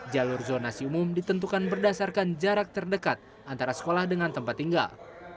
jalur zonasi umum ditentukan berdasarkan jarak terdekat antara sekolah dengan tempat tinggal